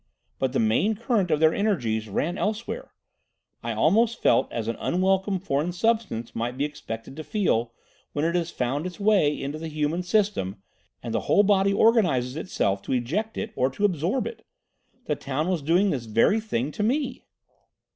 But the main current of their energies ran elsewhere. I almost felt as an unwelcome foreign substance might be expected to feel when it has found its way into the human system and the whole body organises itself to eject it or to absorb it. The town was doing this very thing to me.